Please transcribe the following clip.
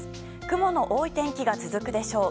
雲の多い天気が続くでしょう。